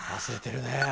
忘れてるね。